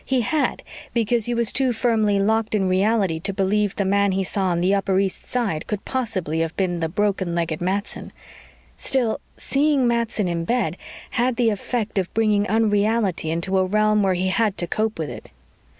He had, because he was too firmly locked in reality to believe the man he saw on the Upper East Side could possibly have been the broken legged Matson. Still, seeing Matson in bed had the effect of bringing unreality into a realm where he had to cope with it.